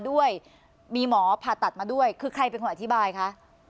ด้วยมีหมอผ่าตัดมาด้วยคือใครเป็นคนอธิบายคะ